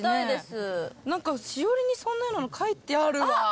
何かしおりにそんなようなの書いてあるわ。